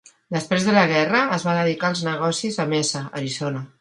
Després de la guerra, es va dedicar als negocis a Mesa, Arizona.